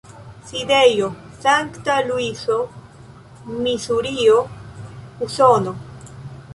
Sidejo: Sankta Luiso, Misurio, Usono.